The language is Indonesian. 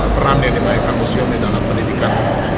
peran yang dimainkan museum di dalam pendidikan